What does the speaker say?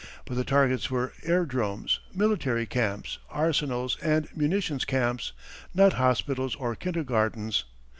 But the targets were airdromes, military camps, arsenals and munitions camps not hospitals or kindergartens.